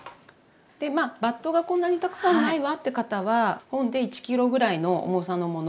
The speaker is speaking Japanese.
バットがこんなにたくさんないわって方は本で１ｋｇぐらいの重さのもの